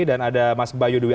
dan ada mas bayu dewi